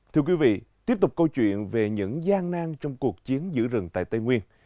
thưa quý vị tiếp tục câu chuyện về những gian nang trong cuộc chiến giữ rừng tại tây nguyên